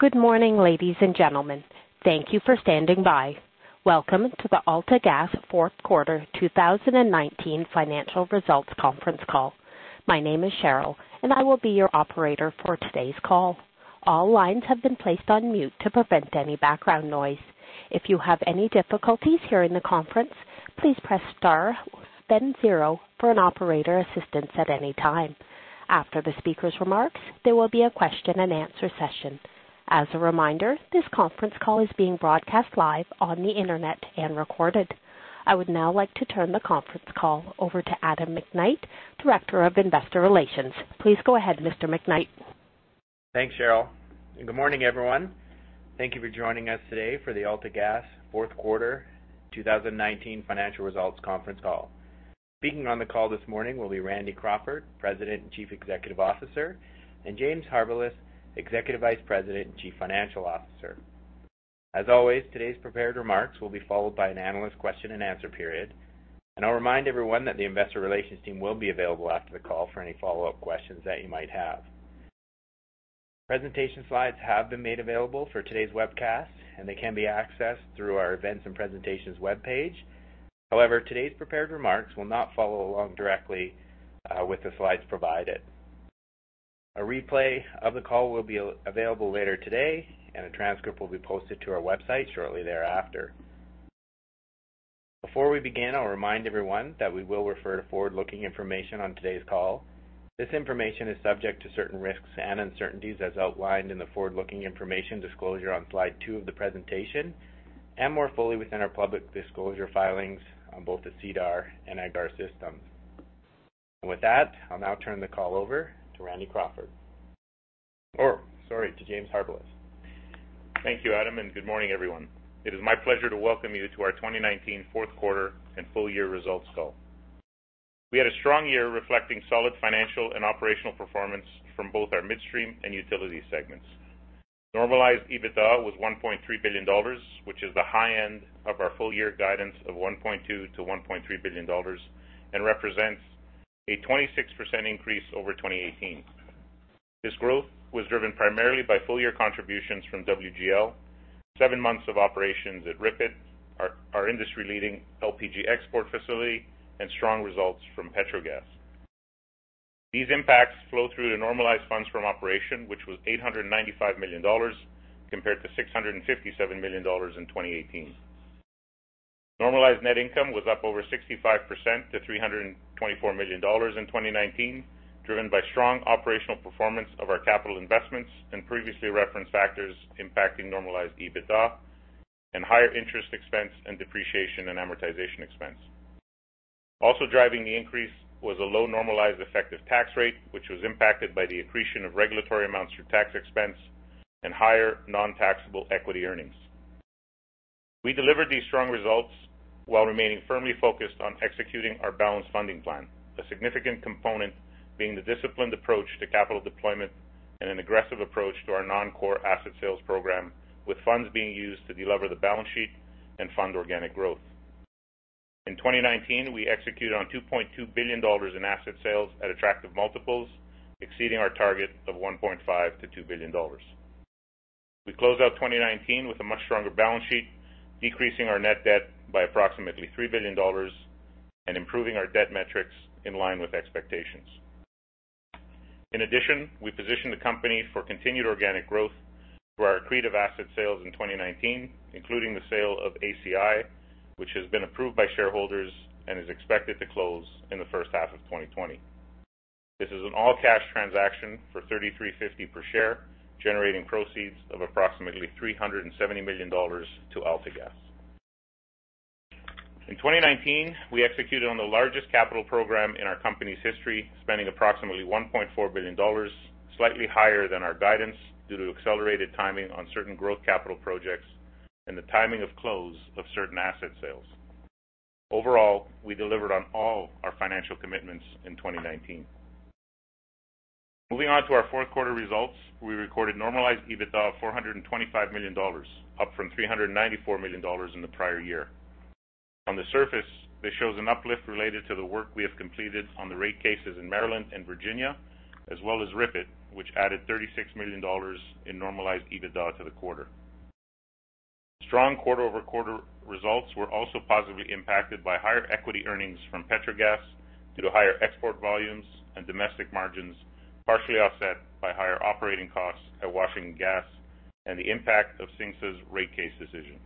Good morning, ladies and gentlemen. Thank you for standing by. Welcome to the AltaGas fourth quarter 2019 financial results conference call. My name is Cheryl, and I will be your operator for today's call. All lines have been placed on mute to prevent any background noise. If you have any difficulties here in the conference, please press star then zero for an operator assistance at any time. After the speaker's remarks, there will be a question and answer session. As a reminder, this conference call is being broadcast live on the internet and recorded. I would now like to turn the conference call over to Adam McKnight, Director of Investor Relations. Please go ahead, Mr. McKnight. Thanks, Cheryl. Good morning, everyone. Thank you for joining us today for the AltaGas fourth quarter 2019 financial results conference call. Speaking on the call this morning will be Randy Crawford, President and Chief Executive Officer, and James Harbilas, Executive Vice President and Chief Financial Officer. As always, today's prepared remarks will be followed by an analyst question and answer period. I'll remind everyone that the investor relations team will be available after the call for any follow-up questions that you might have. Presentation slides have been made available for today's webcast, and they can be accessed through our Events and Presentations webpage. However, today's prepared remarks will not follow along directly with the slides provided. A replay of the call will be available later today, and a transcript will be posted to our website shortly thereafter. Before we begin, I'll remind everyone that we will refer to forward-looking information on today's call. This information is subject to certain risks and uncertainties as outlined in the forward-looking information disclosure on slide two of the presentation, and more fully within our public disclosure filings on both the SEDAR and EDGAR systems. With that, I'll now turn the call over to Randy Crawford. Sorry, to James Harbilas. Thank you, Adam, and good morning, everyone. It is my pleasure to welcome you to our 2019 fourth quarter and full-year results call. We had a strong year reflecting solid financial and operational performance from both our midstream and utility segments. Normalized EBITDA was 1.3 billion dollars, which is the high end of our full-year guidance of 1.2 billion-1.3 billion dollars, and represents a 26% increase over 2018. This growth was driven primarily by full-year contributions from WGL, seven months of operations at RIPET, our industry-leading LPG export facility, and strong results from Petrogas. These impacts flow through to normalized funds from operation, which was 895 million dollars compared to 657 million dollars in 2018. Normalized net income was up over 65% to 324 million dollars in 2019, driven by strong operational performance of our capital investments and previously referenced factors impacting normalized EBITDA and higher interest expense and depreciation and amortization expense. Also driving the increase was a low normalized effective tax rate, which was impacted by the accretion of regulatory amounts through tax expense and higher non-taxable equity earnings. We delivered these strong results while remaining firmly focused on executing our balanced funding plan, a significant component being the disciplined approach to capital deployment and an aggressive approach to our non-core asset sales program, with funds being used to delever the balance sheet and fund organic growth. In 2019, we executed on 2.2 billion dollars in asset sales at attractive multiples, exceeding our target of 1.5 billion-2 billion dollars. We closed out 2019 with a much stronger balance sheet, decreasing our net debt by approximately 3 billion dollars and improving our debt metrics in line with expectations. We positioned the company for continued organic growth through our accretive asset sales in 2019, including the sale of ACI, which has been approved by shareholders and is expected to close in the first half of 2020. This is an all-cash transaction for 33.50 per share, generating proceeds of approximately 370 million dollars to AltaGas. In 2019, we executed on the largest capital program in our company's history, spending approximately 1.4 billion dollars, slightly higher than our guidance due to accelerated timing on certain growth capital projects and the timing of close of certain asset sales. Overall, we delivered on all our financial commitments in 2019. Moving on to our fourth quarter results, we recorded normalized EBITDA of 425 million dollars, up from 394 million dollars in the prior year. On the surface, this shows an uplift related to the work we have completed on the rate cases in Maryland and Virginia, as well as RIPET, which added 36 million dollars in normalized EBITDA to the quarter. Strong quarter-over-quarter results were also positively impacted by higher equity earnings from Petrogas due to higher export volumes and domestic margins, partially offset by higher operating costs at Washington Gas and the impact of SINSA's rate case decision.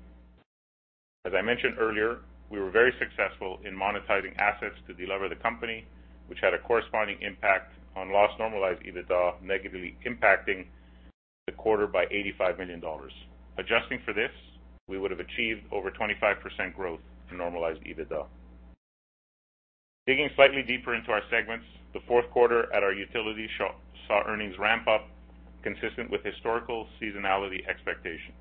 As I mentioned earlier, we were very successful in monetizing assets to delever the company, which had a corresponding impact on lost normalized EBITDA, negatively impacting the quarter by 85 million dollars. Adjusting for this, we would have achieved over 25% growth in normalized EBITDA. Digging slightly deeper into our segments, the fourth quarter at our utility saw earnings ramp up consistent with historical seasonality expectations.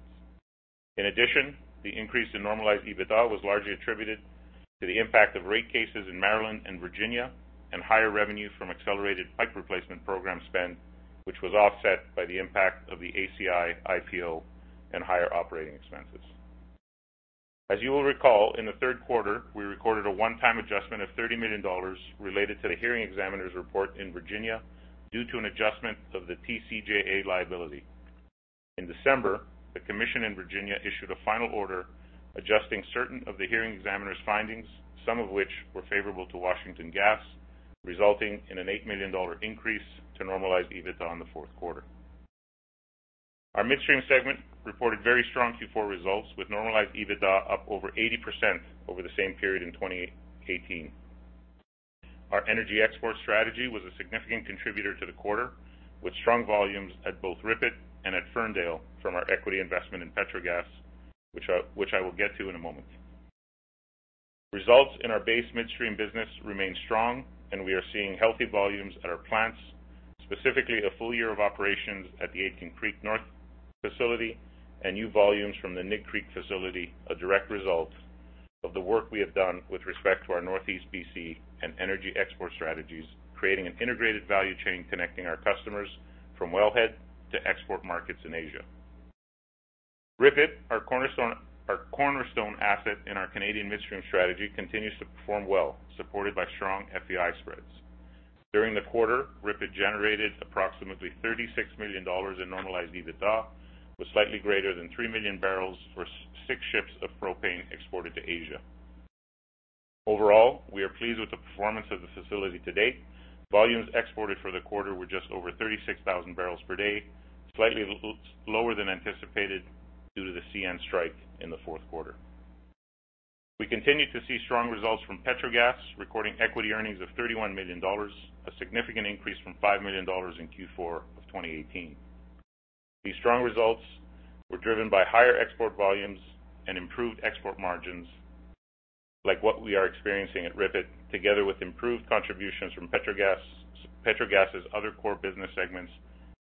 The increase in normalized EBITDA was largely attributed to the impact of rate cases in Maryland and Virginia and higher revenue from accelerated pipe replacement program spend, which was offset by the impact of the ACI IPO and higher operating expenses. As you will recall, in the third quarter, we recorded a one-time adjustment of $30 million related to the hearing examiner's report in Virginia due to an adjustment of the TCJA liability. In December, the commission in Virginia issued a final order adjusting certain of the hearing examiner's findings, some of which were favorable to Washington Gas, resulting in an $8 million increase to normalized EBITDA on the fourth quarter. Our midstream segment reported very strong Q4 results with normalized EBITDA up over 80% over the same period in 2018. Our energy export strategy was a significant contributor to the quarter, with strong volumes at both RIPET and at Ferndale from our equity investment in Petrogas, which I will get to in a moment. Results in our base midstream business remain strong. We are seeing healthy volumes at our plants, specifically a full year of operations at the Aitken Creek North facility and new volumes from the Nig Creek facility, a direct result of the work we have done with respect to our Northeast BC and energy export strategies, creating an integrated value chain connecting our customers from wellhead to export markets in Asia. RIPET, our cornerstone asset in our Canadian midstream strategy, continues to perform well, supported by strong FEI spreads. During the quarter, RIPET generated approximately 36 million dollars in normalized EBITDA, with slightly greater than three million barrels for six ships of propane exported to Asia. Overall, we are pleased with the performance of the facility to date. Volumes exported for the quarter were just over 36,000 barrels per day, slightly lower than anticipated due to the CN strike in the fourth quarter. We continue to see strong results from Petrogas, recording equity earnings of 31 million dollars, a significant increase from 5 million dollars in Q4 of 2018. These strong results were driven by higher export volumes and improved export margins, like what we are experiencing at RIPET, together with improved contributions from Petrogas' other core business segments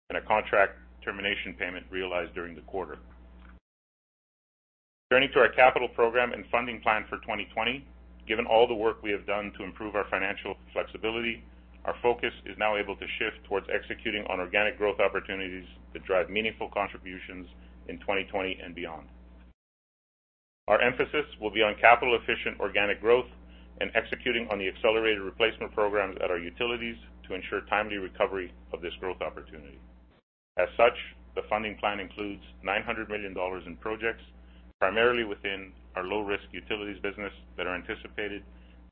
and a contract termination payment realized during the quarter. Turning to our capital program and funding plan for 2020, given all the work we have done to improve our financial flexibility, our focus is now able to shift towards executing on organic growth opportunities that drive meaningful contributions in 2020 and beyond. Our emphasis will be on capital-efficient organic growth and executing on the accelerated replacement programs at our utilities to ensure timely recovery of this growth opportunity. As such, the funding plan includes 900 million dollars in projects, primarily within our low-risk utilities business that are anticipated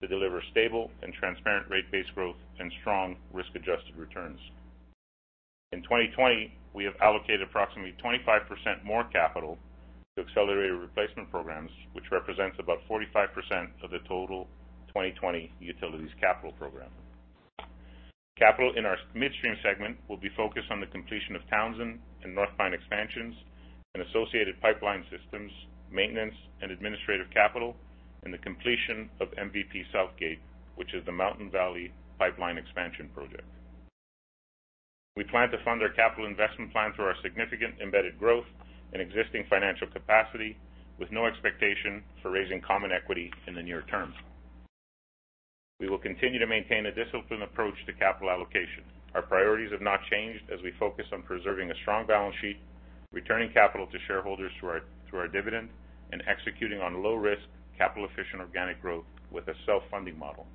to deliver stable and transparent rate-based growth and strong risk-adjusted returns. In 2020, we have allocated approximately 25% more capital to accelerated replacement programs, which represents about 45% of the total 2020 utilities capital program. Capital in our midstream segment will be focused on the completion of Townsend and North Pine expansions and associated pipeline systems, maintenance and administrative capital, and the completion of MVP Southgate, which is the Mountain Valley Pipeline expansion project. We plan to fund our capital investment plan through our significant embedded growth and existing financial capacity with no expectation for raising common equity in the near term. We will continue to maintain a disciplined approach to capital allocation. Our priorities have not changed as we focus on preserving a strong balance sheet, returning capital to shareholders through our dividend, and executing on low-risk, capital-efficient organic growth with a self-funding model,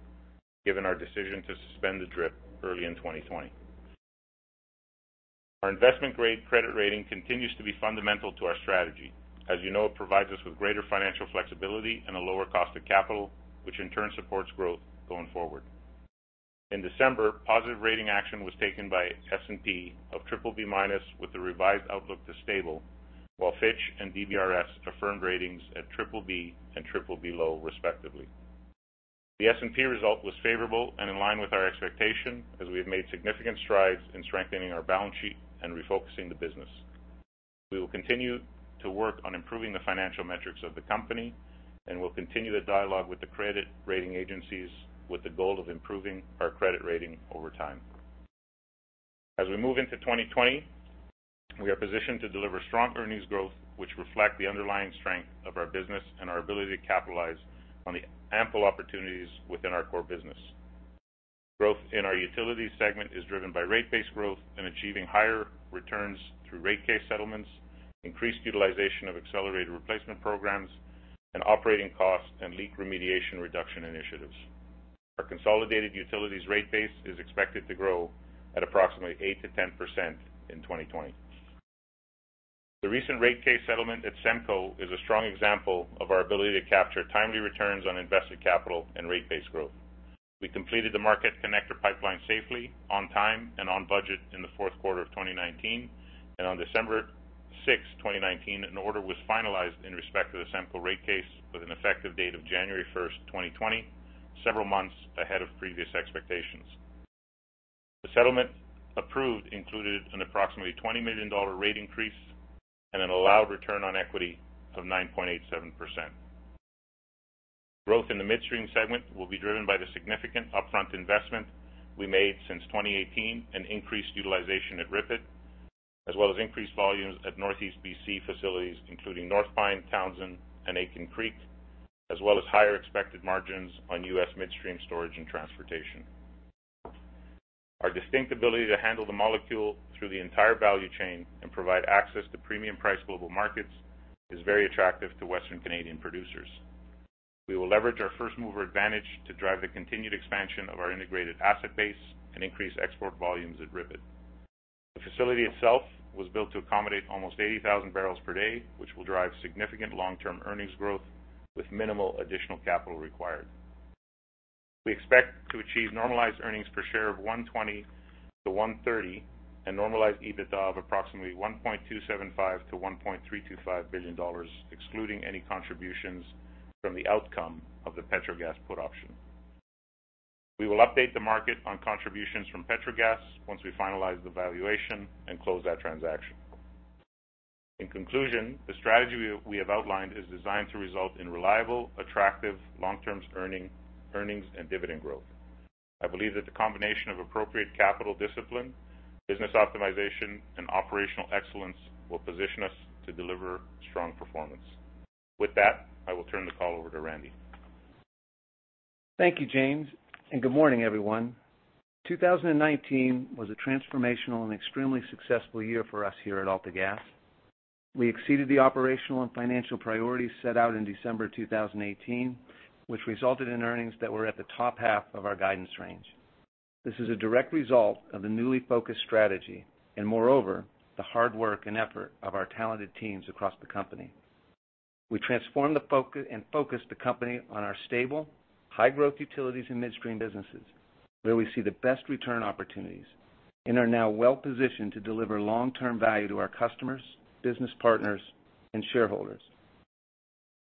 given our decision to suspend the DRIP early in 2020. Our investment-grade credit rating continues to be fundamental to our strategy. As you know, it provides us with greater financial flexibility and a lower cost of capital, which in turn supports growth going forward. In December, positive rating action was taken by S&P of BBB- with a revised outlook to stable, while Fitch and DBRS affirmed ratings at BBB and BBB (low) respectively. The S&P result was favorable and in line with our expectation, as we have made significant strides in strengthening our balance sheet and refocusing the business. We will continue to work on improving the financial metrics of the company, and we'll continue the dialogue with the credit rating agencies with the goal of improving our credit rating over time. As we move into 2020, we are positioned to deliver strong earnings growth, which reflect the underlying strength of our business and our ability to capitalize on the ample opportunities within our core business. Growth in our utility segment is driven by rate-based growth and achieving higher returns through rate case settlements, increased utilization of accelerated replacement programs, and operating cost and leak remediation reduction initiatives. Our consolidated utilities rate base is expected to grow at approximately 8%-10% in 2020. The recent rate case settlement at SEMCO is a strong example of our ability to capture timely returns on invested capital and rate-based growth. We completed the Marquette Connector pipeline safely, on time, and on budget in the fourth quarter of 2019, and on December 6th, 2019, an order was finalized in respect to the SEMCO rate case with an effective date of January 1st, 2020, several months ahead of previous expectations. The settlement approved included an approximately $20 million rate increase and an allowed return on equity of 9.87%. Growth in the midstream segment will be driven by the significant upfront investment we made since 2018 and increased utilization at RIPET, as well as increased volumes at Northeast BC facilities, including North Pine, Townsend, and Aitken Creek, as well as higher expected margins on U.S. midstream storage and transportation. Our distinct ability to handle the molecule through the entire value chain and provide access to premium price global markets is very attractive to Western Canadian producers. We will leverage our first-mover advantage to drive the continued expansion of our integrated asset base and increase export volumes at RIPET. The facility itself was built to accommodate almost 80,000 barrels per day, which will drive significant long-term earnings growth with minimal additional capital required. We expect to achieve normalized earnings per share of 1.20-1.30, and normalized EBITDA of approximately 1.275 billion-1.325 billion dollars, excluding any contributions from the outcome of the Petrogas put option. We will update the market on contributions from Petrogas once we finalize the valuation and close that transaction. In conclusion, the strategy we have outlined is designed to result in reliable, attractive, long-term earnings, and dividend growth. I believe that the combination of appropriate capital discipline, business optimization, and operational excellence will position us to deliver strong performance. With that, I will turn the call over to Randy. Thank you, James, and good morning, everyone. 2019 was a transformational and extremely successful year for us here at AltaGas. We exceeded the operational and financial priorities set out in December 2018, which resulted in earnings that were at the top half of our guidance range. This is a direct result of the newly focused strategy and, moreover, the hard work and effort of our talented teams across the company. We transformed and focused the company on our stable, high-growth utilities and midstream businesses, where we see the best return opportunities and are now well-positioned to deliver long-term value to our customers, business partners, and shareholders.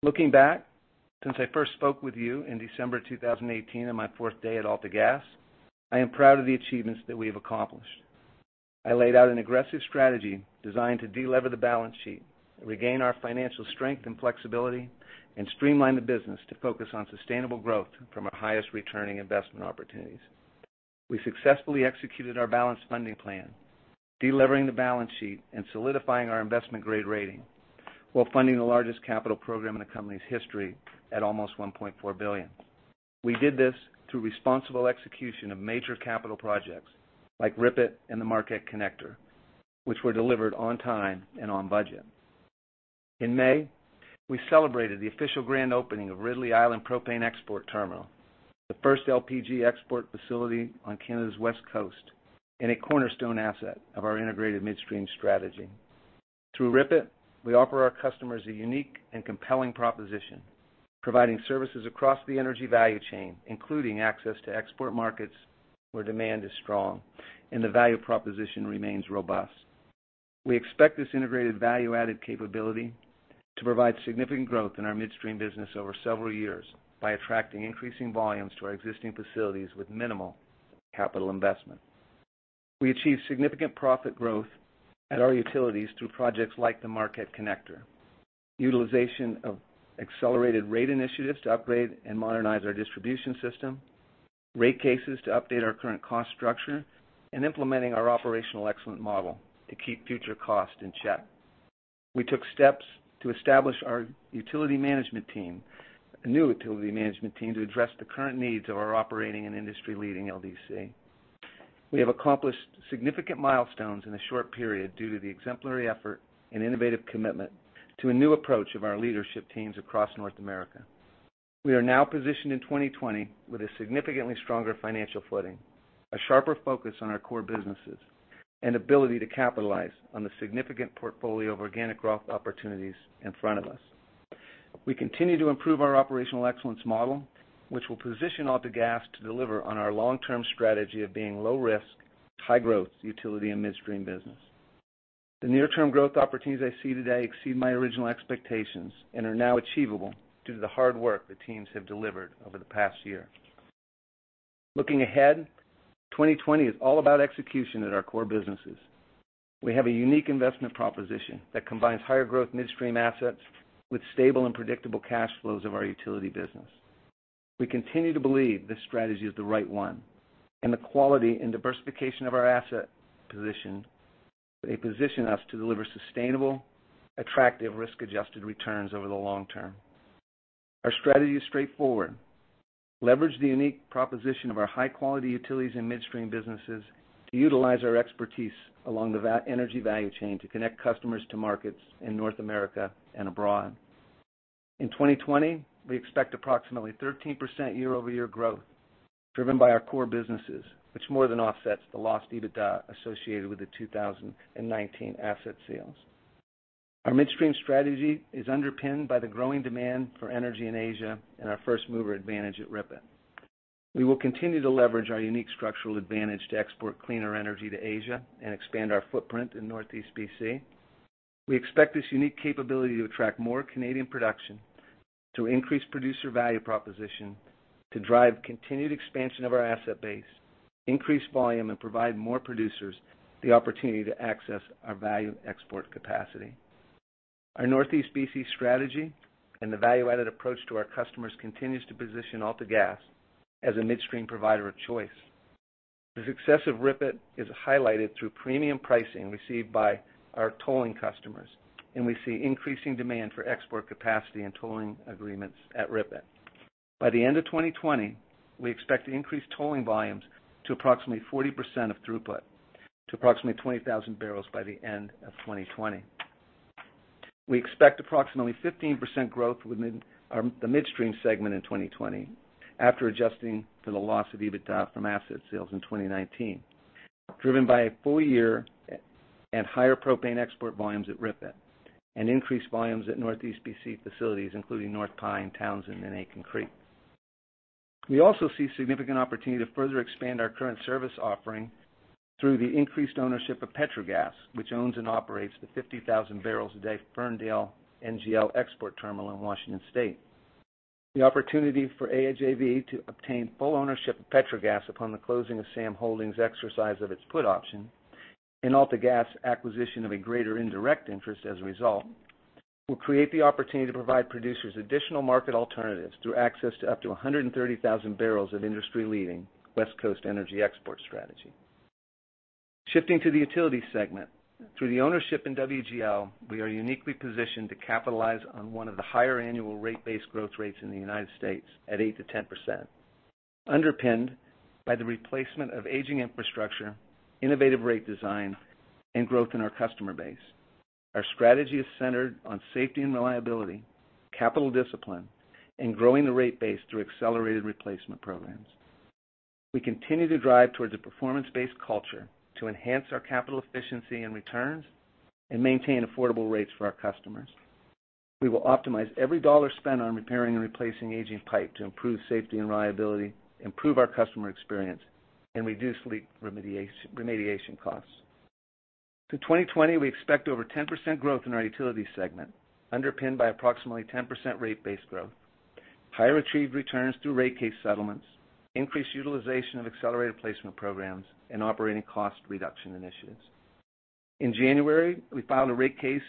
Looking back, since I first spoke with you in December 2018 on my fourth day at AltaGas, I am proud of the achievements that we have accomplished. I laid out an aggressive strategy designed to de-lever the balance sheet, regain our financial strength and flexibility, and streamline the business to focus on sustainable growth from our highest-returning investment opportunities. We successfully executed our balanced funding plan, de-levering the balance sheet and solidifying our investment-grade rating while funding the largest capital program in the company's history at almost 1.4 billion. We did this through responsible execution of major capital projects like RIPET and the Marquette Connector, which were delivered on time and on budget. In May, we celebrated the official grand opening of Ridley Island Propane Export Terminal, the first LPG export facility on Canada's west coast and a cornerstone asset of our integrated midstream strategy. Through RIPET, we offer our customers a unique and compelling proposition, providing services across the energy value chain, including access to export markets where demand is strong and the value proposition remains robust. We expect this integrated value-added capability to provide significant growth in our midstream business over several years by attracting increasing volumes to our existing facilities with minimal capital investment. We achieved significant profit growth at our utilities through projects like the Marquette Connector, utilization of accelerated rate initiatives to upgrade and modernize our distribution system, rate cases to update our current cost structure, and implementing our operational excellent model to keep future costs in check. We took steps to establish our new utility management team to address the current needs of our operating and industry-leading LDC. We have accomplished significant milestones in a short period due to the exemplary effort and innovative commitment to a new approach of our leadership teams across North America. We are now positioned in 2020 with a significantly stronger financial footing, a sharper focus on our core businesses, and ability to capitalize on the significant portfolio of organic growth opportunities in front of us. We continue to improve our operational excellence model, which will position AltaGas to deliver on our long-term strategy of being low-risk, high-growth utility and midstream business. The near-term growth opportunities I see today exceed my original expectations and are now achievable due to the hard work the teams have delivered over the past year. Looking ahead, 2020 is all about execution at our core businesses. We have a unique investment proposition that combines higher-growth midstream assets with stable and predictable cash flows of our utility business. We continue to believe this strategy is the right one. The quality and diversification of our asset position us to deliver sustainable, attractive, risk-adjusted returns over the long term. Our strategy is straightforward: leverage the unique proposition of our high-quality utilities and midstream businesses to utilize our expertise along the energy value chain to connect customers to markets in North America and abroad. In 2020, we expect approximately 13% year-over-year growth driven by our core businesses, which more than offsets the lost EBITDA associated with the 2019 asset sales. Our midstream strategy is underpinned by the growing demand for energy in Asia and our first-mover advantage at RIPET. We will continue to leverage our unique structural advantage to export cleaner energy to Asia and expand our footprint in Northeast BC. We expect this unique capability to attract more Canadian production to increase producer value proposition to drive continued expansion of our asset base, increase volume, and provide more producers the opportunity to access our value export capacity. Our Northeast BC strategy and the value-added approach to our customers continues to position AltaGas as a midstream provider of choice. The success of RIPET is highlighted through premium pricing received by our tolling customers, and we see increasing demand for export capacity and tolling agreements at RIPET. By the end of 2020, we expect to increase tolling volumes to approximately 40% of throughput, to approximately 20,000 barrels by the end of 2020. We expect approximately 15% growth within the midstream segment in 2020 after adjusting for the loss of EBITDA from asset sales in 2019, driven by a full year at higher propane export volumes at RIPET and increased volumes at Northeast B.C. facilities, including North Pine, Townsend, and Aitken Creek. We also see significant opportunity to further expand our current service offering through the increased ownership of Petrogas, which owns and operates the 50,000 barrels a day Ferndale NGL export terminal in Washington State. The opportunity for AIJV to obtain full ownership of Petrogas upon the closing of SAM Holdings exercise of its put option, and AltaGas acquisition of a greater indirect interest as a result, will create the opportunity to provide producers additional market alternatives through access to up to 130,000 barrels of industry-leading West Coast energy export strategy. Shifting to the utility segment. Through the ownership in WGL, we are uniquely positioned to capitalize on one of the higher annual rate base growth rates in the U.S. at 8%-10%, underpinned by the replacement of aging infrastructure, innovative rate design, and growth in our customer base. Our strategy is centered on safety and reliability, capital discipline, and growing the rate base through accelerated replacement programs. We continue to drive towards a performance-based culture to enhance our capital efficiency and returns and maintain affordable rates for our customers. We will optimize every dollar spent on repairing and replacing aging pipe to improve safety and reliability, improve our customer experience, and reduce leak remediation costs. Through 2020, we expect over 10% growth in our utility segment, underpinned by approximately 10% rate base growth, higher retrieved returns through rate case settlements, increased utilization of accelerated placement programs, and operating cost reduction initiatives. In January, we filed a rate case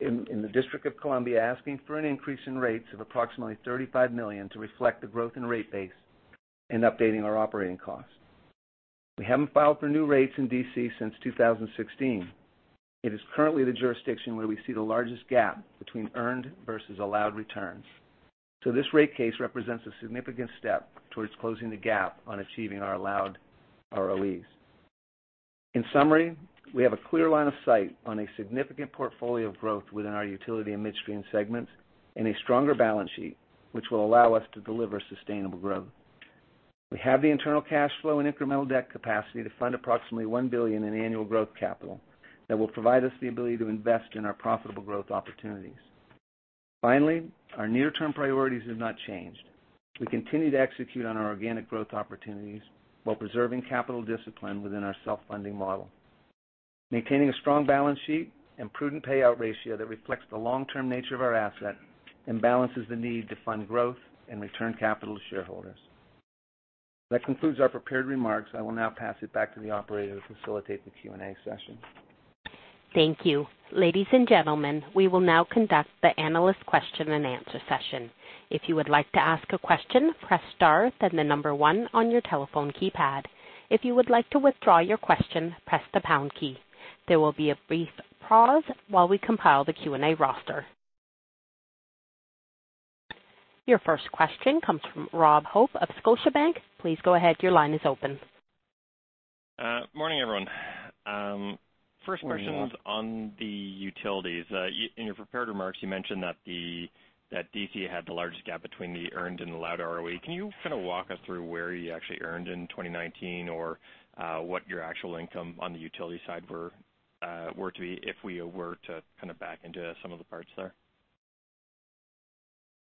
in the District of Columbia asking for an increase in rates of approximately $35 million to reflect the growth in rate base and updating our operating costs. We haven't filed for new rates in D.C. since 2016. It is currently the jurisdiction where we see the largest gap between earned versus allowed returns. This rate case represents a significant step towards closing the gap on achieving our allowed ROEs. In summary, we have a clear line of sight on a significant portfolio of growth within our utility and midstream segments and a stronger balance sheet, which will allow us to deliver sustainable growth. We have the internal cash flow and incremental debt capacity to fund approximately 1 billion in annual growth capital that will provide us the ability to invest in our profitable growth opportunities. Finally, our near-term priorities have not changed. We continue to execute on our organic growth opportunities while preserving capital discipline within our self-funding model, maintaining a strong balance sheet and prudent payout ratio that reflects the long-term nature of our asset and balances the need to fund growth and return capital to shareholders. That concludes our prepared remarks. I will now pass it back to the operator to facilitate the Q&A session. Thank you. Ladies and gentlemen, we will now conduct the analyst question and answer session. If you would like to ask a question, press star, then the number one on your telephone keypad. If you would like to withdraw your question, press the pound key. There will be a brief pause while we compile the Q&A roster. Your first question comes from Rob Hope of Scotiabank. Please go ahead. Your line is open. Morning, everyone. Morning, Rob. First question's on the utilities. In your prepared remarks, you mentioned that D.C. had the largest gap between the earned and allowed ROE. Can you kind of walk us through where you actually earned in 2019 or what your actual income on the utility side were to be if we were to kind of back into some of the parts there?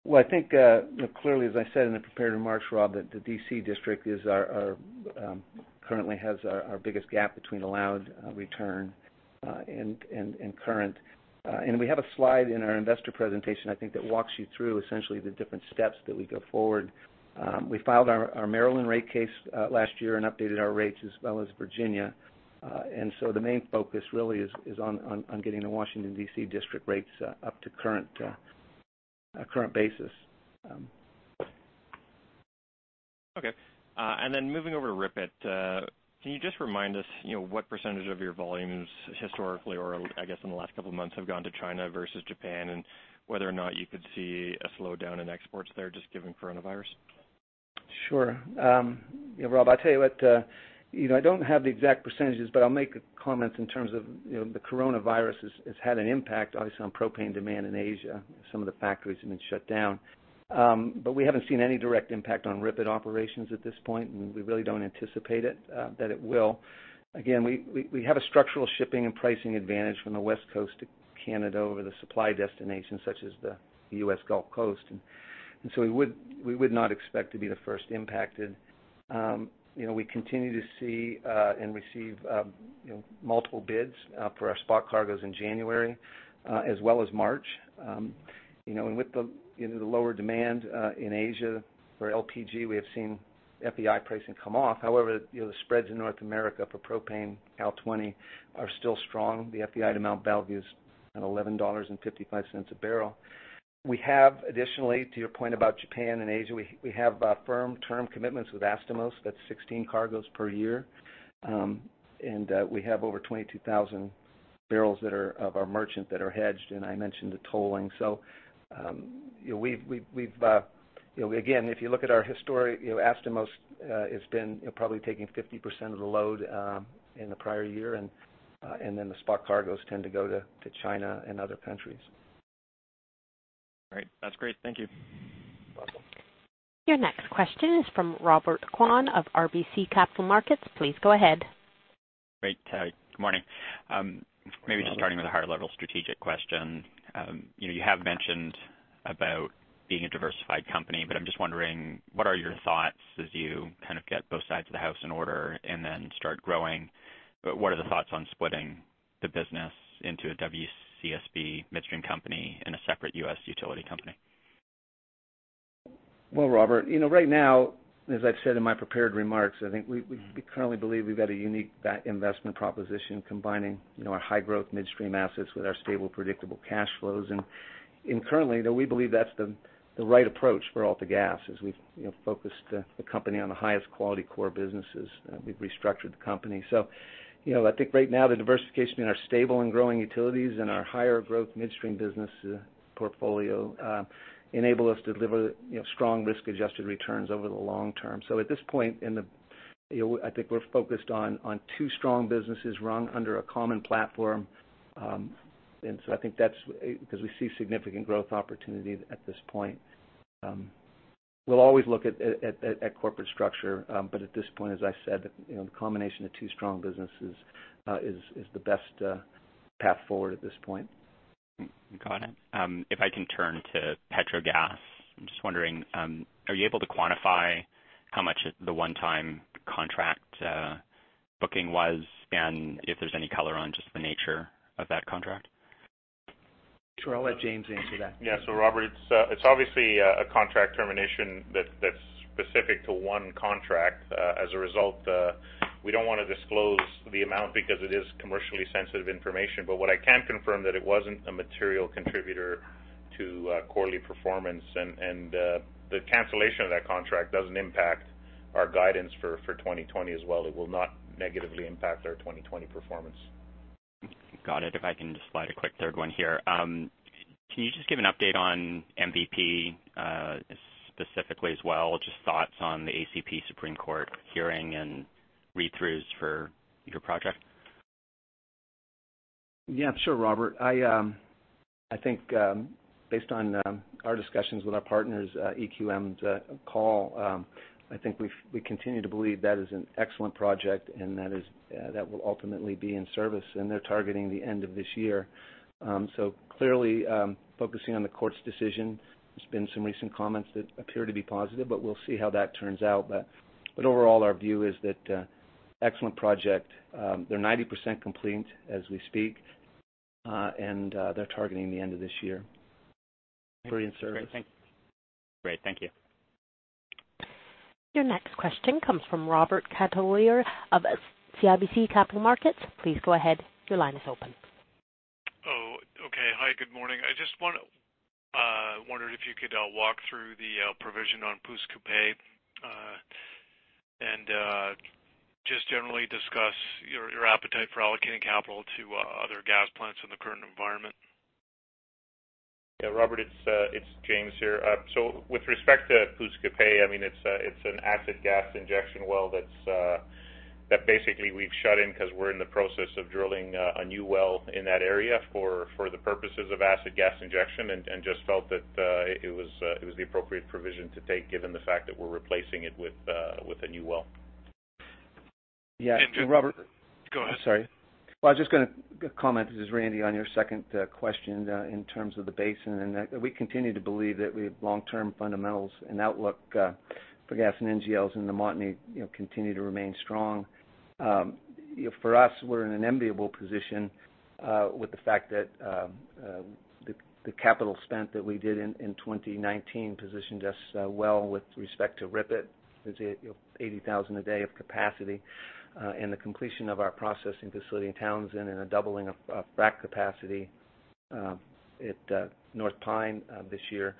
Well, I think clearly, as I said in the prepared remarks, Rob, that the D.C. district currently has our biggest gap between allowed return and current. We have a slide in our investor presentation, I think, that walks you through essentially the different steps that we go forward. We filed our Maryland rate case last year and updated our rates as well as Virginia. So the main focus really is on getting the Washington D.C. district rates up to current basis. Okay. Moving over to RIPET, can you just remind us what percentage of your volumes historically or I guess in the last couple of months have gone to China versus Japan, and whether or not you could see a slowdown in exports there just given coronavirus? Sure. Rob, I tell you what, I don't have the exact percentages, but I'll make comments in terms of the coronavirus has had an impact, obviously, on propane demand in Asia. Some of the factories have been shut down. We haven't seen any direct impact on RIPET operations at this point, and we really don't anticipate that it will. Again, we have a structural shipping and pricing advantage from the West Coast to Canada over the supply destinations such as the U.S. Gulf Coast, we would not expect to be the first impacted. We continue to see and receive multiple bids for our spot cargoes in January as well as March. With the lower demand in Asia for LPG, we have seen FEI pricing come off. However, the spreads in North America for propane Cal 20 are still strong. The FEI to Mont Belvieu is at 11.55 dollars a barrel. We have additionally, to your point about Japan and Asia, we have firm term commitments with Astomos. That's 16 cargoes per year. We have over 22,000 barrels of our merchant that are hedged, and I mentioned the tolling. Again, if you look at our history, Astomos has been probably taking 50% of the load in the prior year, and then the spot cargoes tend to go to China and other countries. All right. That's great. Thank you. You're welcome. Your next question is from Robert Kwan of RBC Capital Markets. Please go ahead. Great. Good morning. Good morning. Maybe just starting with a higher-level strategic question. You have mentioned about being a diversified company, I'm just wondering, what are your thoughts as you get both sides of the house in order and then start growing? What are the thoughts on splitting the business into a WCSB midstream company and a separate U.S. utility company? Well, Robert, right now, as I've said in my prepared remarks, I think we currently believe we've got a unique investment proposition combining our high-growth midstream assets with our stable, predictable cash flows. Currently, we believe that's the right approach for AltaGas as we've focused the company on the highest quality core businesses. We've restructured the company. I think right now the diversification in our stable and growing utilities and our higher growth midstream business portfolio enable us to deliver strong risk-adjusted returns over the long term. At this point, I think we're focused on two strong businesses run under a common platform. Because we see significant growth opportunity at this point. We'll always look at corporate structure, but at this point, as I said, the combination of two strong businesses is the best path forward at this point. Got it. If I can turn to Petrogas, I'm just wondering, are you able to quantify how much the one-time contract booking was and if there's any color on just the nature of that contract? Sure. I'll let James answer that. Robert, it's obviously a contract termination that's specific to one contract. As a result, we don't want to disclose the amount because it is commercially sensitive information. What I can confirm that it wasn't a material contributor to quarterly performance, and the cancellation of that contract doesn't impact our guidance for 2020 as well. It will not negatively impact our 2020 performance. Got it. If I can just slide a quick third one here. Can you just give an update on MVP, specifically as well, just thoughts on the ACP Supreme Court hearing and read-throughs for your project? Yeah, sure, Robert. I think based on our discussions with our partners, EQM's call, I think we continue to believe that is an excellent project. That will ultimately be in service. They're targeting the end of this year. Clearly, focusing on the court's decision. There's been some recent comments that appear to be positive. We'll see how that turns out. Overall, our view is that excellent project. They're 90% complete as we speak. They're targeting the end of this year for in service. Great. Thank you. Your next question comes from Robert Catellier of CIBC Capital Markets. Please go ahead. Your line is open. Oh, okay. Hi, good morning. I just wondered if you could walk through the provision on Pouce Coupé, and just generally discuss your appetite for allocating capital to other gas plants in the current environment? Yeah, Robert, it's James here. With respect to Pouce Coupé, it's an acid gas injection well that basically we've shut in because we're in the process of drilling a new well in that area for the purposes of acid gas injection and just felt that it was the appropriate provision to take given the fact that we're replacing it with a new well. Yeah, Robert Go ahead. I'm sorry. I was just going to comment, this is Randy, on your second question in terms of the basin, that we continue to believe that we have long-term fundamentals and outlook for gas and NGLs in the Montney continue to remain strong. For us, we're in an enviable position with the fact that the capital spent that we did in 2019 positioned us well with respect to RIPET, with 80,000 a day of capacity. The completion of our processing facility in Townsend and a doubling of frac capacity at North Pine this year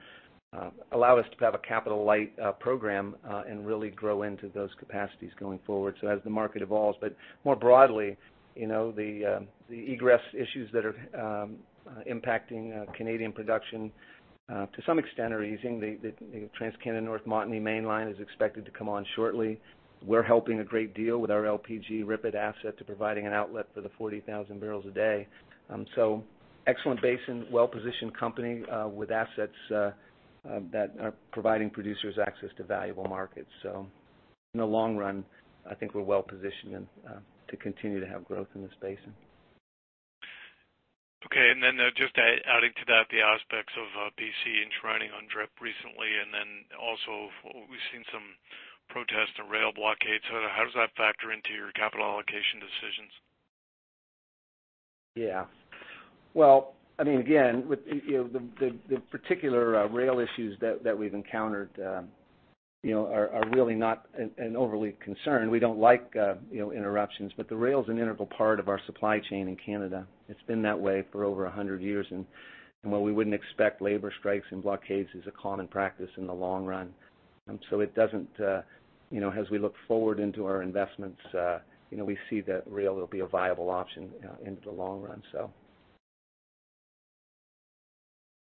allow us to have a capital light program and really grow into those capacities going forward. As the market evolves. More broadly the egress issues that are impacting Canadian production to some extent are easing. The TransCanada North Montney Mainline is expected to come on shortly. We're helping a great deal with our LPG RIPET asset to providing an outlet for the 40,000 barrels a day. Excellent basin, well-positioned company with assets that are providing producers access to valuable markets. In the long run, I think we're well-positioned to continue to have growth in this basin. Okay. Just adding to that, the aspects of B.C. enshrining UNDRIP recently, and then also we've seen some protests and rail blockades. How does that factor into your capital allocation decisions? Yeah. Well, again, the particular rail issues that we've encountered are really not an overly concern. We don't like interruptions, but the rail is an integral part of our supply chain in Canada. It's been that way for over 100 years, and while we wouldn't expect labor strikes and blockades as a common practice in the long run. As we look forward into our investments, we see that rail will be a viable option in the long run.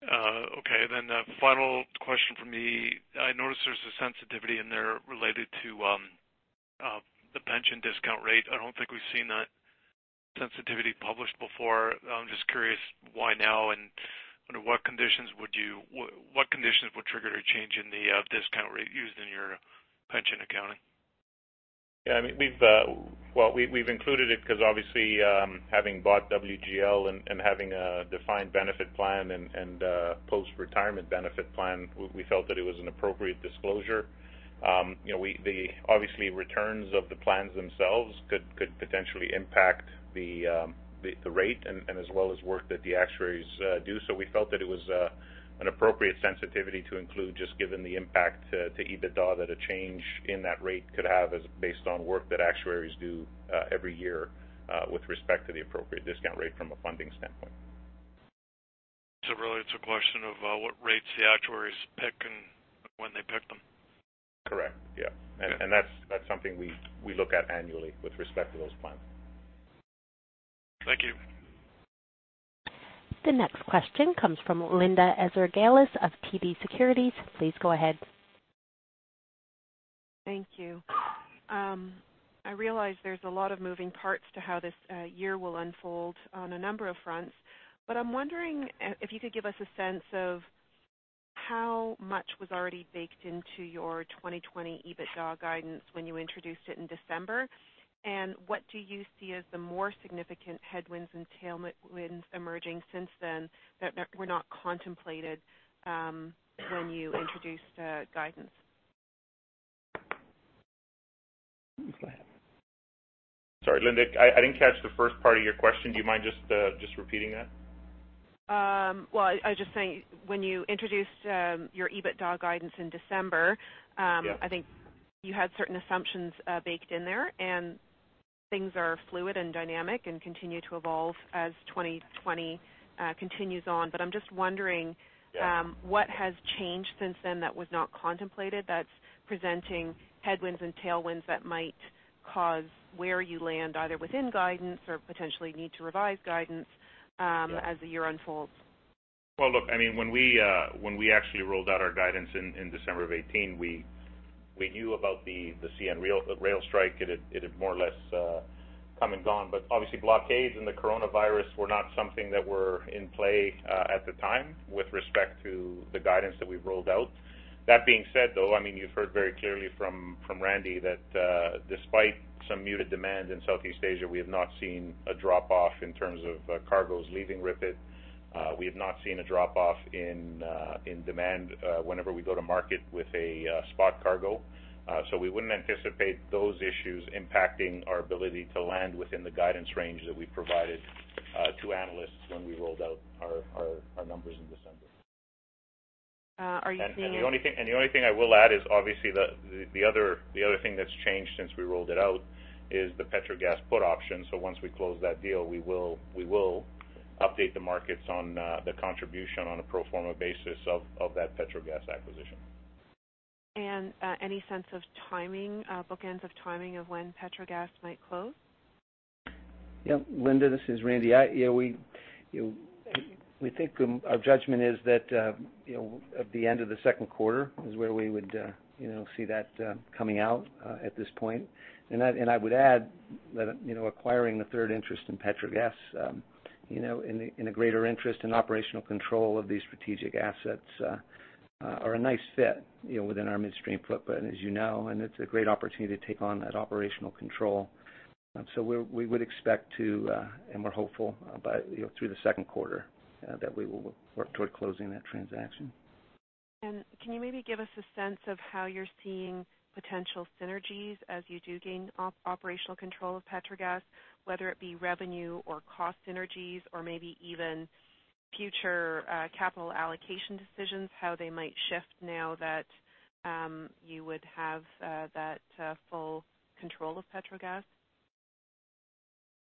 Okay. The final question from me, I noticed there's a sensitivity in there related to the pension discount rate. I don't think we've seen that sensitivity published before. I'm just curious why now, and under what conditions would trigger a change in the discount rate used in your pension accounting? Yeah. We've included it because obviously, having bought WGL and having a defined benefit plan and post-retirement benefit plan, we felt that it was an appropriate disclosure. Obviously, returns of the plans themselves could potentially impact the rate and as well as work that the actuaries do. We felt that it was an appropriate sensitivity to include, just given the impact to EBITDA that a change in that rate could have as based on work that actuaries do every year with respect to the appropriate discount rate from a funding standpoint. Really, it's a question of what rates the actuaries pick and when they pick them. Correct. Yeah. That's something we look at annually with respect to those plans. Thank you. The next question comes from Linda Ezergailis of TD Securities. Please go ahead. Thank you. I realize there's a lot of moving parts to how this year will unfold on a number of fronts, but I'm wondering if you could give us a sense of how much was already baked into your 2020 EBITDA guidance when you introduced it in December. What do you see as the more significant headwinds and tailwinds emerging since then that were not contemplated when you introduced the guidance? Sorry, Linda, I didn't catch the first part of your question. Do you mind just repeating that? Well, I was just saying, when you introduced your EBITDA guidance in December. Yeah I think you had certain assumptions baked in there, and things are fluid and dynamic and continue to evolve as 2020 continues on. I'm just wondering. Yeah What has changed since then that was not contemplated that's presenting headwinds and tailwinds that might cause where you land, either within guidance or potentially need to revise guidance- Yeah As the year unfolds. Well, look, when we actually rolled out our guidance in December of 2018, we knew about the CN rail strike. It had more or less come and gone. Obviously, blockades and the coronavirus were not something that were in play at the time with respect to the guidance that we've rolled out. That being said, though, you've heard very clearly from Randy that despite some muted demand in Southeast Asia, we have not seen a drop-off in terms of cargoes leaving RIPET. We have not seen a drop-off in demand whenever we go to market with a spot cargo. We wouldn't anticipate those issues impacting our ability to land within the guidance range that we provided to analysts when we rolled out our numbers in December. Are you seeing? The only thing I will add is obviously the other thing that's changed since we rolled it out is the Petrogas put option. Once we close that deal, we will update the markets on the contribution on a pro forma basis of that Petrogas acquisition. Any sense of timing, bookends of timing of when Petrogas might close? Yep. Linda, this is Randy. Thank you. Our judgment is that at the end of the second quarter is where we would see that coming out at this point. I would add that acquiring the third interest in Petrogas in a greater interest in operational control of these strategic assets are a nice fit within our midstream footprint, as you know, and it's a great opportunity to take on that operational control. We would expect to, and we're hopeful through the second quarter, that we will work toward closing that transaction. Can you maybe give us a sense of how you're seeing potential synergies as you do gain operational control of Petrogas, whether it be revenue or cost synergies or maybe even future capital allocation decisions, how they might shift now that you would have that full control of Petrogas?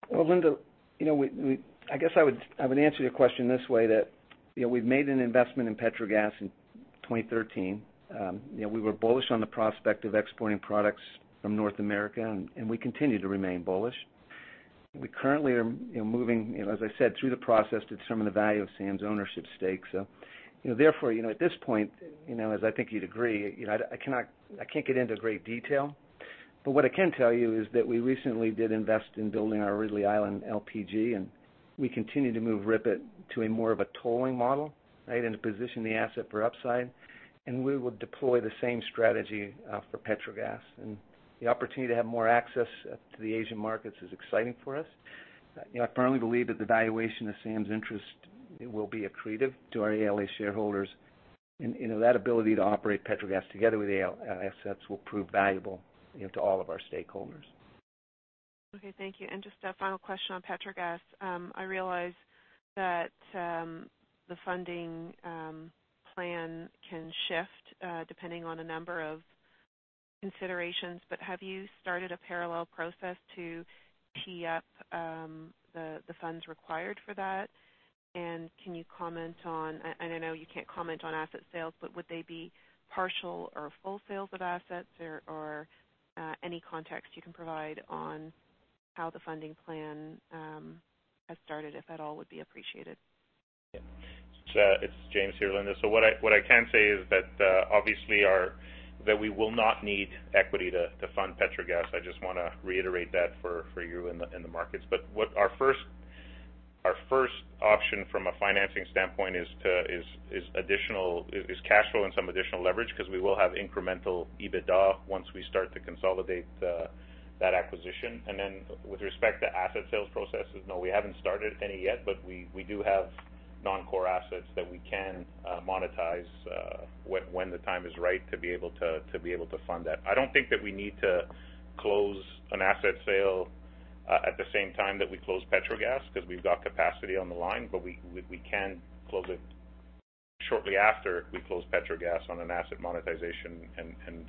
Well, Linda, I guess I would answer your question this way, that we've made an investment in Petrogas in 2013. We were bullish on the prospect of exporting products from North America, and we continue to remain bullish. We currently are moving, as I said, through the process to determine the value of SAM's ownership stake. Therefore, at this point, as I think you'd agree, I can't get into great detail, but what I can tell you is that we recently did invest in building our Ridley Island LPG, and we continue to move RIPET to a more of a tolling model, right, and to position the asset for upside. We will deploy the same strategy for Petrogas. The opportunity to have more access to the Asian markets is exciting for us. I firmly believe that the valuation of SAM's interest will be accretive to our ALA shareholders, and that ability to operate Petrogas together with ALA assets will prove valuable to all of our stakeholders. Okay, thank you. Just a final question on Petrogas. I realize that the funding plan can shift depending on a number of considerations, but have you started a parallel process to tee up the funds required for that? Can you comment on, I know you can't comment on asset sales, but would they be partial or full sales of assets? Any context you can provide on how the funding plan has started, if at all, would be appreciated. Yeah. It's James here, Linda. What I can say is that obviously, that we will not need equity to fund Petrogas. I just want to reiterate that for you in the markets. Our first option from a financing standpoint is cash flow and some additional leverage, because we will have incremental EBITDA once we start to consolidate that acquisition. With respect to asset sales processes, no, we haven't started any yet, but we do have non-core assets that we can monetize when the time is right to be able to fund that. I don't think that we need to close an asset sale at the same time that we close Petrogas, because we've got capacity on the line, but we can close it shortly after we close Petrogas on an asset monetization and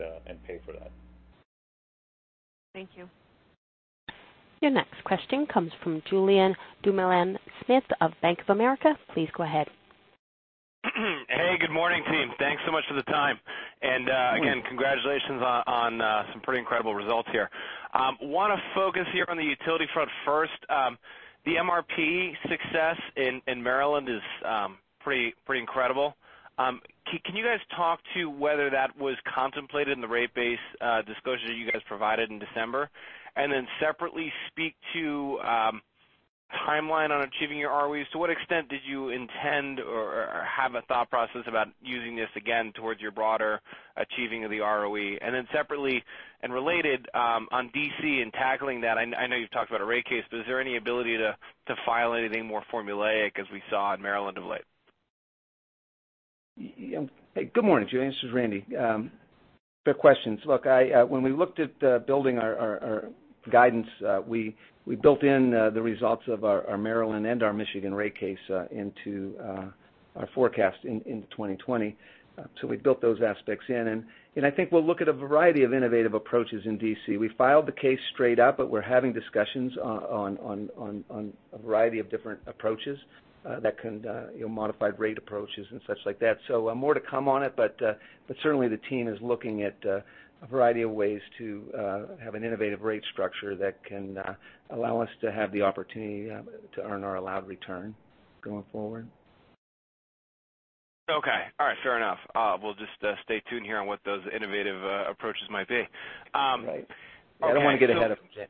pay for that. Thank you. Your next question comes from Julien Dumoulin-Smith of Bank of America. Please go ahead. Hey, good morning, team. Thanks so much for the time. Again, congratulations on some pretty incredible results here. Want to focus here on the utility front first. The MRP success in Maryland is pretty incredible. Can you guys talk to whether that was contemplated in the rate base discussion that you guys provided in December? Separately, speak to timeline on achieving your ROEs. To what extent did you intend or have a thought process about using this again towards your broader achieving of the ROE? Separately and related, on D.C. and tackling that, I know you've talked about a rate case, but is there any ability to file anything more formulaic as we saw in Maryland of late? Hey, good morning, Julien. This is Randy. Good questions. Look, when we looked at building our guidance, we built in the results of our Maryland and our Michigan rate case into our forecast into 2020. We built those aspects in. I think we'll look at a variety of innovative approaches in D.C. We filed the case straight up, but we're having discussions on a variety of different approaches that can modified rate approaches and such like that. More to come on it, but certainly the team is looking at a variety of ways to have an innovative rate structure that can allow us to have the opportunity to earn our allowed return going forward. Okay. All right. Fair enough. We'll just stay tuned here on what those innovative approaches might be. Right. I don't want to get ahead of it.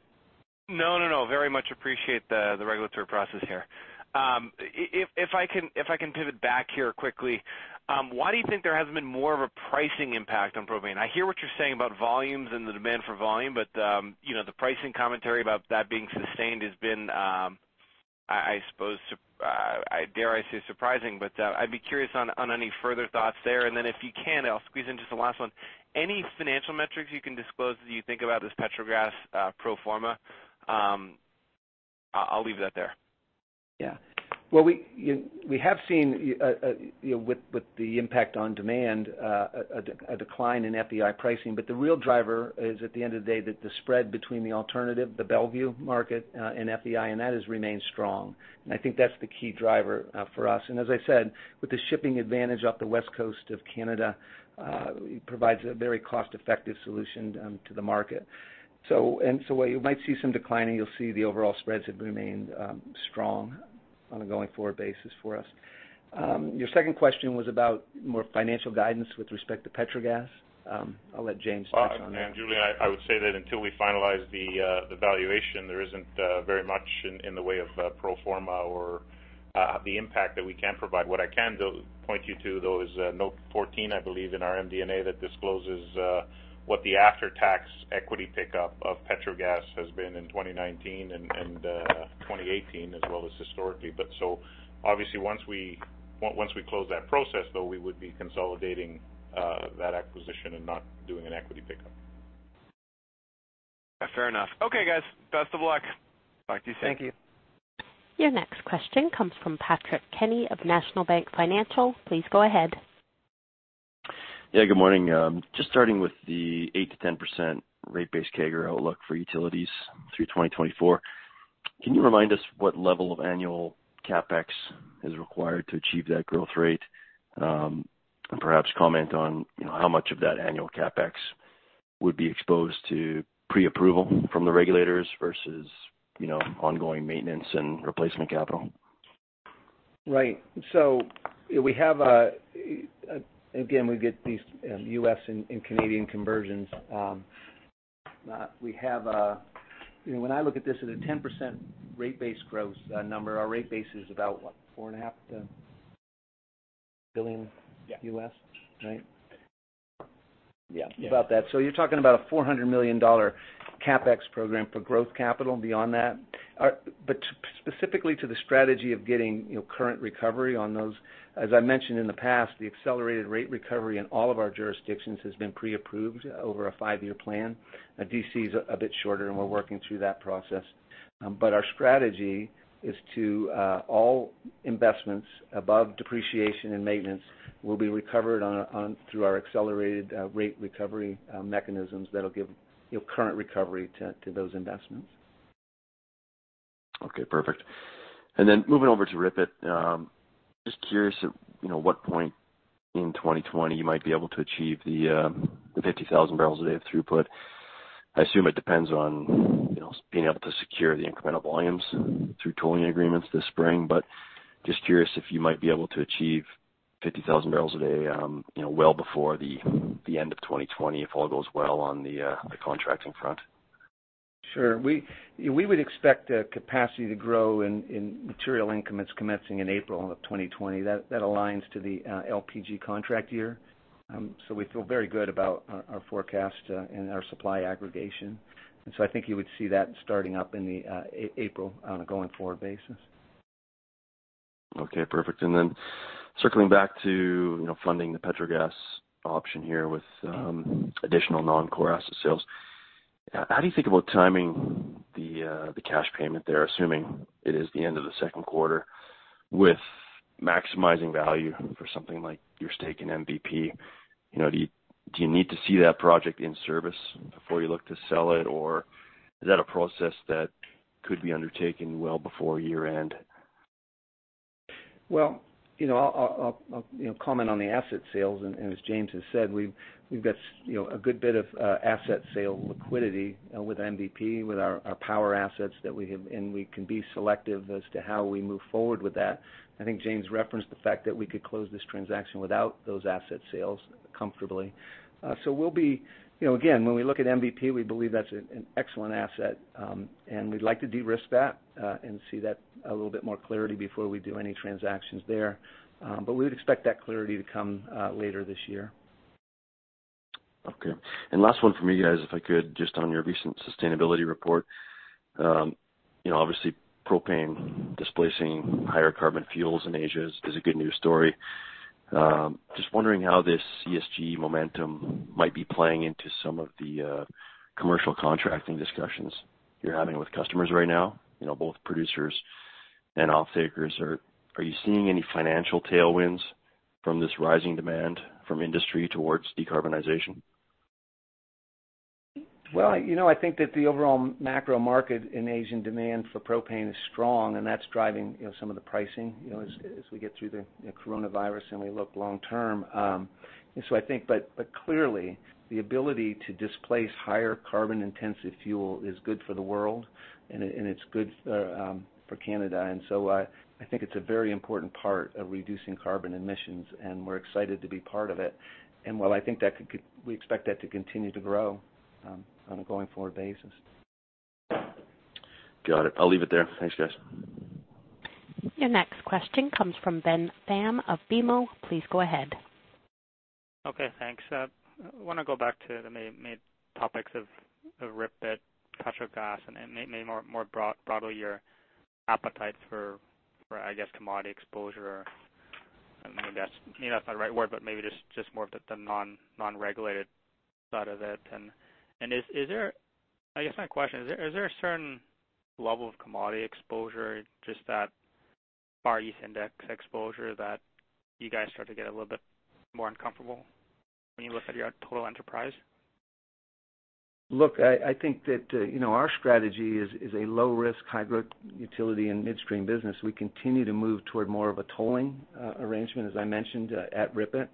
No, very much appreciate the regulatory process here. If I can pivot back here quickly, why do you think there hasn't been more of a pricing impact on propane? I hear what you're saying about volumes and the demand for volume, but the pricing commentary about that being sustained has been, dare I say, surprising. I'd be curious on any further thoughts there. If you can, I'll squeeze in just the last one. Any financial metrics you can disclose as you think about this Petrogas pro forma? I'll leave that there. Yeah. We have seen, with the impact on demand, a decline in FEI pricing. The real driver is at the end of the day, that the spread between the alternative, the Mont Belvieu market, and FEI, and that has remained strong. I think that's the key driver for us. As I said, with the shipping advantage off the West Coast of Canada, it provides a very cost-effective solution to the market. While you might see some declining, you'll see the overall spreads have remained strong on a going forward basis for us. Your second question was about more financial guidance with respect to Petrogas. I'll let James touch on that. Julien, I would say that until we finalize the valuation, there isn't very much in the way of pro forma or the impact that we can provide. What I can point you to, though, is note 14, I believe, in our MD&A that discloses what the after-tax equity pickup of Petrogas has been in 2019 and 2018 as well as historically. Obviously once we close that process, though, we would be consolidating that acquisition and not doing an equity pickup. Fair enough. Okay, guys. Best of luck. Talk to you soon. Thank you. Your next question comes from Patrick Kenny of National Bank Financial. Please go ahead. Yeah, good morning. Just starting with the 8%-10% rate base CAGR outlook for utilities through 2024. Can you remind us what level of annual CapEx is required to achieve that growth rate? Perhaps comment on how much of that annual CapEx would be exposed to pre-approval from the regulators versus ongoing maintenance and replacement capital. Right. Again, we get these U.S. and Canadian conversions. When I look at this as a 10% rate base growth number, our rate base is about what? $4.5 billion? Yeah. Right. Yeah. About that. You're talking about a 400 million dollar CapEx program for growth capital beyond that. Specifically to the strategy of getting current recovery on those. As I mentioned in the past, the accelerated rate recovery in all of our jurisdictions has been pre-approved over a five-year plan. D.C. is a bit shorter, and we're working through that process. Our strategy is to all investments above depreciation and maintenance will be recovered through our accelerated rate recovery mechanisms that'll give current recovery to those investments. Okay, perfect. Moving over to RIPET. Just curious at what point in 2020 you might be able to achieve the 50,000 barrels a day of throughput. I assume it depends on being able to secure the incremental volumes through tolling agreements this spring. Just curious if you might be able to achieve 50,000 barrels a day well before the end of 2020, if all goes well on the contracting front. Sure. We would expect capacity to grow in material increments commencing in April of 2020. That aligns to the LPG contract year. We feel very good about our forecast and our supply aggregation. I think you would see that starting up in April on a going-forward basis. Okay, perfect. Circling back to funding the Petrogas option here with additional non-core asset sales. How do you think about timing the cash payment there, assuming it is the end of the second quarter with maximizing value for something like your stake in MVP? Do you need to see that project in service before you look to sell it, or is that a process that could be undertaken well before year-end? Well, I'll comment on the asset sales, and as James has said, we've got a good bit of asset sale liquidity with MVP, with our power assets that we have, and we can be selective as to how we move forward with that. I think James referenced the fact that we could close this transaction without those asset sales comfortably. When we look at MVP, we believe that's an excellent asset, and we'd like to de-risk that and see that a little bit more clearly before we do any transactions there. We would expect that clarity to come later this year. Okay. Last one from me, guys, if I could, just on your recent sustainability report. Obviously propane displacing higher carbon fuels in Asia is a good news story. Just wondering how this ESG momentum might be playing into some of the commercial contracting discussions you're having with customers right now, both producers and off-takers. Are you seeing any financial tailwinds from this rising demand from industry towards decarbonization? Well, I think that the overall macro market in Asian demand for propane is strong, and that's driving some of the pricing, as we get through the coronavirus and we look long term. Clearly, the ability to displace higher carbon-intensive fuel is good for the world and it's good for Canada. I think it's a very important part of reducing carbon emissions, and we're excited to be part of it. While I think that we expect that to continue to grow on a going-forward basis. Got it. I'll leave it there. Thanks, guys. Your next question comes from Ben Pham of BMO. Please go ahead. Okay, thanks. I want to go back to the main topics of RIPET, Petrogas, and maybe more broadly, your appetite for, I guess, commodity exposure. Maybe that's not the right word, but maybe just more of the non-regulated side of it. I guess my question is there a certain level of commodity exposure, just that Far East Index exposure that you guys start to get a little bit more uncomfortable when you look at your total enterprise? Look, I think that our strategy is a low risk, high growth utility and midstream business. We continue to move toward more of a tolling arrangement, as I mentioned, at RIPET.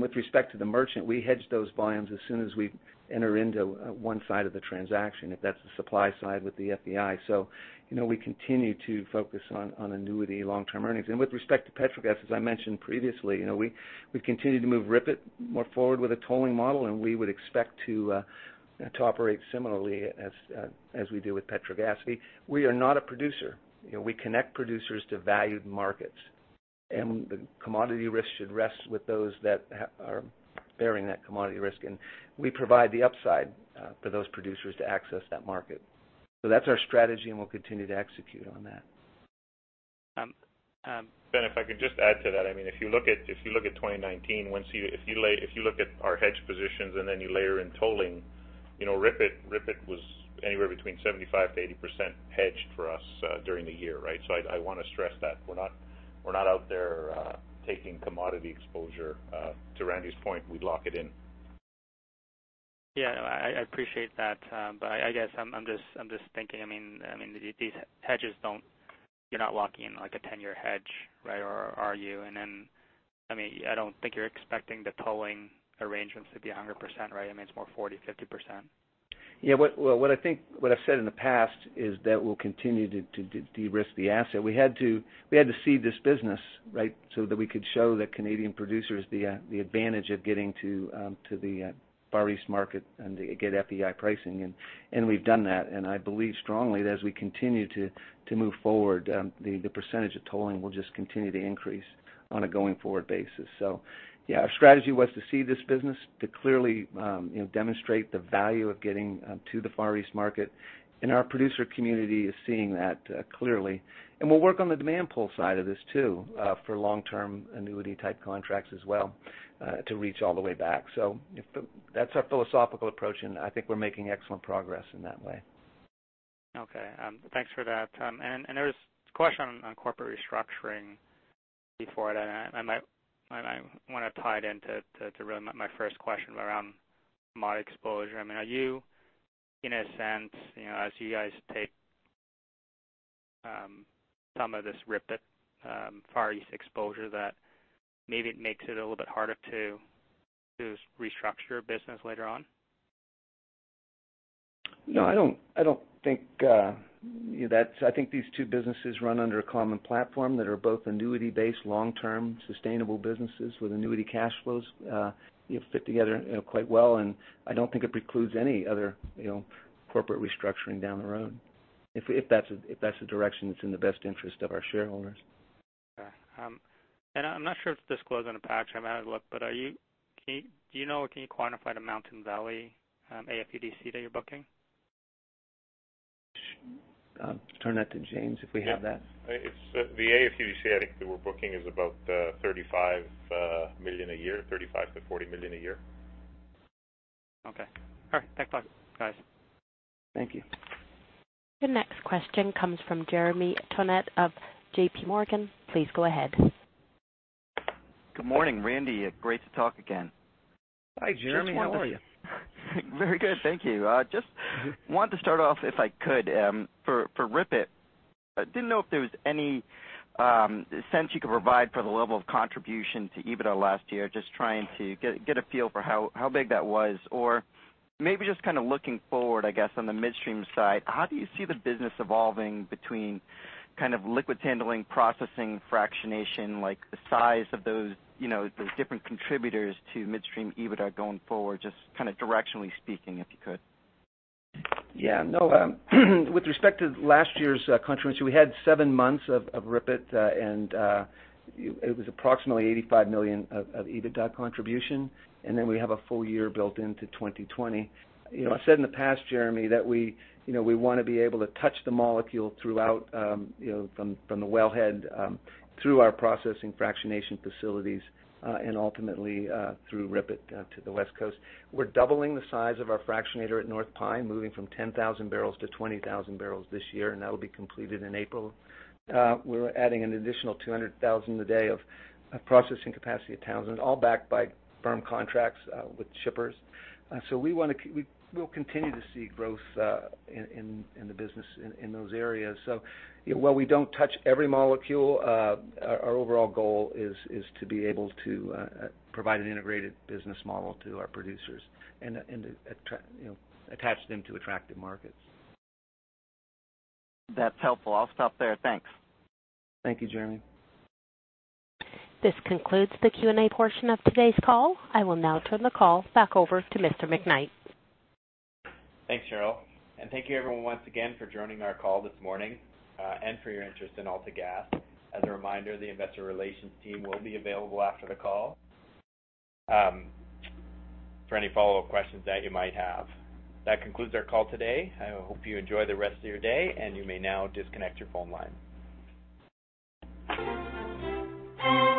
With respect to the merchant, we hedge those volumes as soon as we enter into one side of the transaction, if that's the supply side with the FEI. We continue to focus on annuity long-term earnings. With respect to Petrogas, as I mentioned previously, we continue to move RIPET more forward with a tolling model, and we would expect to operate similarly as we do with Petrogas. We are not a producer. We connect producers to valued markets, and the commodity risk should rest with those that are bearing that commodity risk. We provide the upside for those producers to access that market. That's our strategy, and we'll continue to execute on that. Ben, if I could just add to that. If you look at 2019, if you look at our hedge positions and then you layer in tolling, RIPET was anywhere between 75%-80% hedged for us during the year. I want to stress that we're not out there taking commodity exposure. To Randy's point, we'd lock it in. Yeah, I appreciate that. I guess I'm just thinking, you're not locking in like a 10-year hedge, right? Are you? I don't think you're expecting the tolling arrangements to be 100%, right? It's more 40%, 50%. Yeah. What I've said in the past is that we'll continue to de-risk the asset. We had to seed this business so that we could show the Canadian producers the advantage of getting to the Far East market and to get FEI pricing. We've done that, and I believe strongly that as we continue to move forward, the percentage of tolling will just continue to increase on a going-forward basis. Yeah, our strategy was to seed this business to clearly demonstrate the value of getting to the Far East market, and our producer community is seeing that clearly. We'll work on the demand pool side of this, too, for long-term annuity type contracts as well to reach all the way back. That's our philosophical approach, and I think we're making excellent progress in that way. Okay. Thanks for that. There was a question on corporate restructuring before, and I want to tie it into my first question around mod exposure. Are you, in a sense, as you guys take some of this RIPET far east exposure that maybe it makes it a little bit harder to structure a business later on? No, I think these two businesses run under a common platform that are both annuity-based long-term sustainable businesses with annuity cash flows. They fit together quite well, and I don't think it precludes any other corporate restructuring down the road, if that's a direction that's in the best interest of our shareholders. Okay. I'm not sure if this was disclosed on the patch. I might look. Do you know, or can you quantify the Mountain Valley AFUDC that you're booking? I'll turn that to James, if we have that. Yeah. It's the AFUDC I think that we're booking is about 35 million a year, 35 million-40 million a year. Okay. All right. Thanks a lot, guys. Thank you. Your next question comes from Jeremy Tonet of JPMorgan. Please go ahead. Good morning, Randy. Great to talk again. Hi, Jeremy. How are you? Very good, thank you. Just wanted to start off, if I could, for RIPET, didn't know if there was any sense you could provide for the level of contribution to EBITDA last year. Just trying to get a feel for how big that was, or maybe just looking forward, I guess, on the midstream side. How do you see the business evolving between liquids handling, processing, fractionation, like the size of those different contributors to midstream EBITDA going forward, just directionally speaking, if you could? Yeah. No. With respect to last year's contribution, we had seven months of RIPET, and it was approximately 85 million of EBITDA contribution, and then we have a full year built into 2020. I said in the past, Jeremy, that we want to be able to touch the molecule throughout from the wellhead through our processing fractionation facilities, and ultimately through RIPET to the West Coast. We're doubling the size of our fractionator at North Pine, moving from 10,000 barrels to 20,000 barrels this year, and that'll be completed in April. We're adding an additional 200,000 a day of processing capacity at Townsend, all backed by firm contracts with shippers. We'll continue to see growth in the business in those areas. While we don't touch every molecule, our overall goal is to be able to provide an integrated business model to our producers and attach them to attractive markets. That's helpful. I'll stop there. Thanks. Thank you, Jeremy. This concludes the Q&A portion of today's call. I will now turn the call back over to Mr. McKnight. Thanks, Cheryl. Thank you everyone once again for joining our call this morning, and for your interest in AltaGas. As a reminder, the investor relations team will be available after the call for any follow-up questions that you might have. That concludes our call today. I hope you enjoy the rest of your day, and you may now disconnect your phone line.